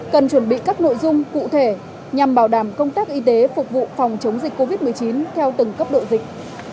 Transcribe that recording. cần chuẩn bị các nội dung cụ thể nhằm bảo đảm công tác y tế phục vụ phòng chống dịch covid một mươi chín theo từng cấp độ dịch